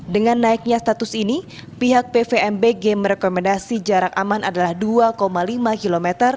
dengan naiknya status ini pihak pvmbg merekomendasi jarak aman adalah dua lima km